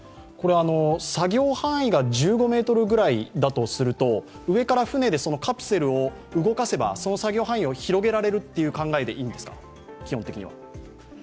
作業範囲が１５ｍぐらいだとすると上から船でカプセルを動かせばその作業範囲を広げられるという考えでいいんですか、基本的には。